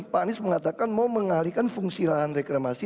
pak anies mengatakan mau mengalihkan fungsi lahan reklamasi